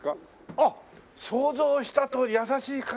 あっ想像したとおり優しい感じのね。